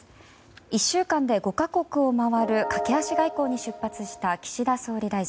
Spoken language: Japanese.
１週間で５か国を回る駆け足外交に出発した岸田総理大臣。